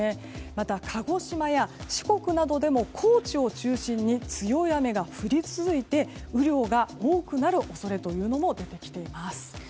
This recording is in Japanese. また鹿児島や四国などでも高地を中心に強い雨が降り続いて雨量が多くなる恐れも出てきています。